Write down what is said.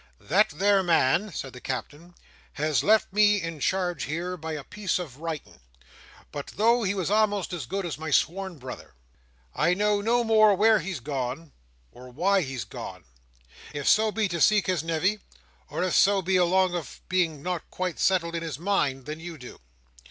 "That there man," said the Captain, "has left me in charge here by a piece of writing, but though he was a'most as good as my sworn brother, I know no more where he's gone, or why he's gone; if so be to seek his nevy, or if so be along of being not quite settled in his mind; than you do.